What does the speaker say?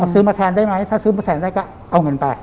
ซื้อมาแทนได้ไหมถ้าซื้อมาแทนได้ก็เอาเงินไป